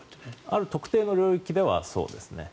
ある特定の領域ではそうですね。